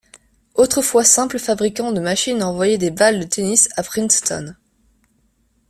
Autrefois simple fabricant de machine à envoyer des balles de tennis à Princeton.